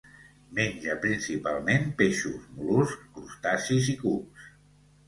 Menja principalment peixos, mol·luscs, crustacis i cucs.